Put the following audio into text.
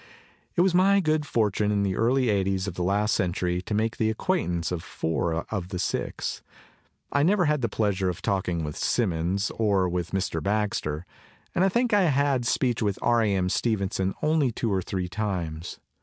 It was my good fortune in the early eighties of the last century to make the acquaintance of four out of the six; I never had the pleasure of talking with Symonds or with Mr. Baxter and I think I had speech with R. A. M. Stevenson only two or three tunes.